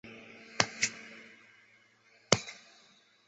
机关驻地位于宁波市。